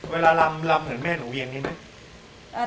เวลาลำเหมือนแม่หนูเวียงนิดนึง